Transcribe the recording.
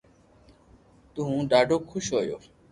تو ھون ڌادو خوݾ ھويو